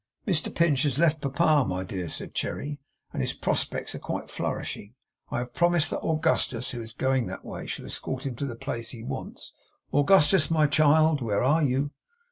'Mr Pinch has left Papa, my dear,' said Cherry, 'and his prospects are quite flourishing. I have promised that Augustus, who is going that way, shall escort him to the place he wants. Augustus, my child, where are you?